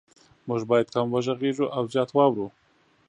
مونږ باید کم وغږیږو او زیات واورو